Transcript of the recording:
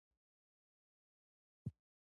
الماري د ځوانو لپاره بېله جوړیږي